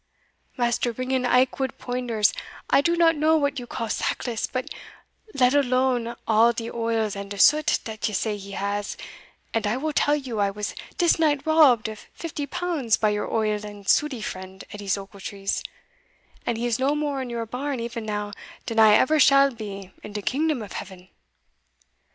"Maister Ringan Aikwood Poinders, I do not know what you call sackless, but let alone all de oils and de soot dat you say he has, and I will tell you I was dis night robbed of fifty pounds by your oil and sooty friend, Edies Ochiltree; and he is no more in your barn even now dan I ever shall be in de kingdom of heafen."